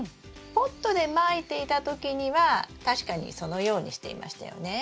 ポットでまいていた時には確かにそのようにしていましたよね。